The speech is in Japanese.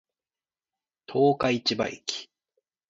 十日市場駅